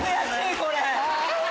これ。